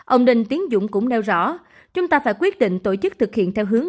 ông đinh tiến dũng cũng nêu rõ chúng ta phải quyết định tổ chức thực hiện theo hướng